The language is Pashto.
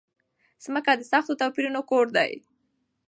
ځمکه د سختو توپيرونو کور دی.